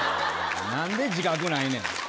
なんで自覚ないねん。